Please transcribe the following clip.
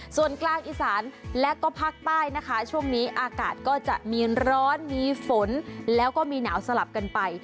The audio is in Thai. ส่วนกลางอีสานและก็ภาคใต้นะคะช่วงนี้อากาศก็จะมีร้อนมีฝนแล้วก็มีหนาวสลับกันไป